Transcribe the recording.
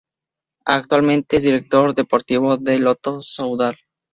Actualmente es director deportivo del Lotto Soudal.